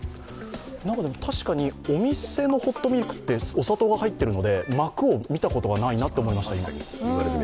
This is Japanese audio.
確かにお店のホットミルクってお砂糖が入っているので膜を見たことがないなと、今思いました。